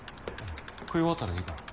食い終わったらでいいから。